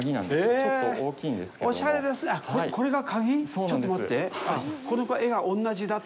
ちょっと待って！